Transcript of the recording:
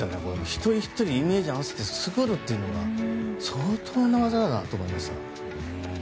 一人ひとりイメージに合わせて作るというのが相当な技だなと思いました。